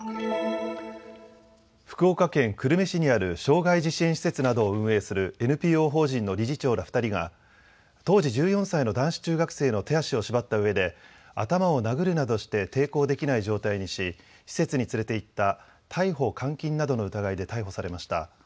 福岡県久留米市にある障害児支援施設などを運営するＮＰＯ法人の理事長ら２人が当時１４歳の男子中学生の手足を縛ったうえで頭を殴るなどして抵抗できない状態にし施設に連れていった逮捕監禁などの疑いで逮捕されました。